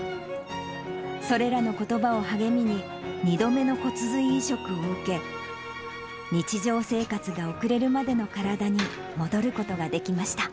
それらのことばを励みに、２度目の骨髄移植を受け、日常生活が送れるまでの体に戻ることができました。